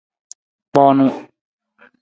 Kpoonu.